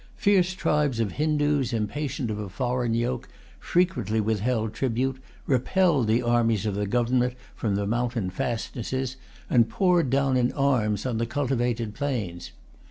Fierce tribes of Hindoos, impatient of a foreign yoke, frequently withheld tribute, repelled the armies of the government from the mountain fastnesses, and poured down in arms on the cultivated plains.